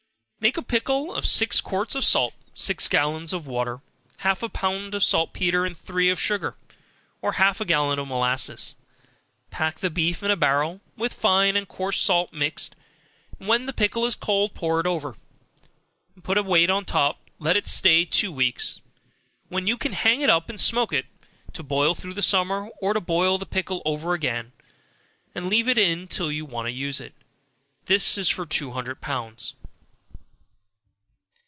Make a pickle of six quarts of salt, six gallons of water, half a pound of saltpetre, and three of sugar, or half a gallon of molasses, pack the beef in a barrel, with fine and coarse salt mixed, when the pickle is cold, pour it over, and put a weight on the top, let it stay two weeks, when you can hang it up and smoke it, to boil through the summer, or boil the pickle over again, and leave it in till you want to use it; this is for two hundred pounds.